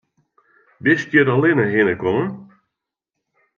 Bist hjir allinne hinne kommen?